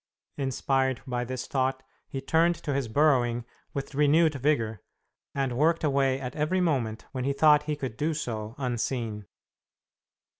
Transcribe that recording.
Inspired by this thought, he turned to his burrowing with renewed vigor, and worked away at every moment when he thought he could do so unseen.